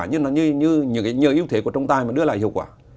như những yếu thế của đồng tài mà đưa lại hiệu quả